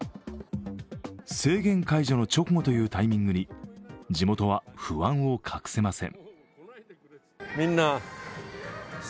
制限解除後の直後というタイミングに地元は不安を隠せません。